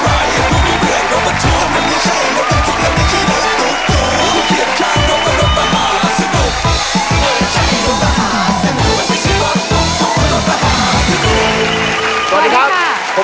สวัสดีครับ